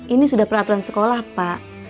ini sudah peraturan sekolah pak